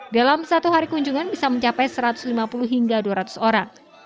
dalam satu hari kunjungan bisa mencapai satu ratus lima puluh hingga dua ratus orang